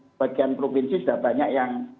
sebagian provinsi sudah banyak yang